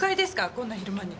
こんな昼間に。